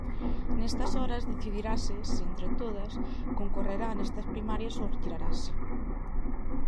Nestas horas decidirase se 'Entre todas' concorrerá nestas primarias ou retirarase.